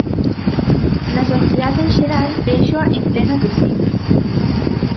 Na sociedade en xeral véxoa en pleno declive.